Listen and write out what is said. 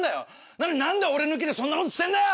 なのに何で俺抜きでそんなことしてんだよ！